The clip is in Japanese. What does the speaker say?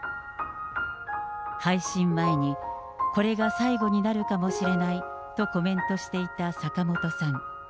配信前に、これが最後になるかもしれないとコメントしていた坂本さん。